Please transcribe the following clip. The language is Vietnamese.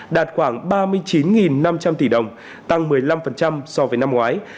đạt khoảng ba mươi chín năm trăm linh tỷ đồng tăng một mươi năm so với năm ngoái